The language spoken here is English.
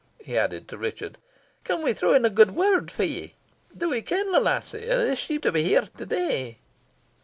he added to Richard. "Canna we throw in a good word for ye? Do we ken the lassie, and is she to be here to day?"